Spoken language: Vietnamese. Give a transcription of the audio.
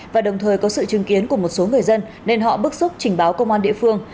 và đồng thời có sự chứng kiến của một số người dân nên họ bức xúc trình báo công an địa phương